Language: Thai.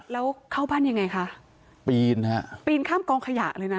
แล้วเข้าบ้านยังไงคะปีนฮะปีนข้ามกองขยะเลยนะ